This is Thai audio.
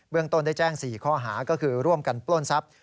ต้นได้แจ้ง๔ข้อหาก็คือร่วมกันปล้นทรัพย